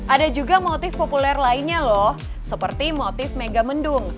ada juga motif populer lainnya loh seperti motif megamendung